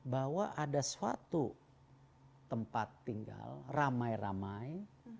bahwa ada suatu tempat tinggal ramai ramai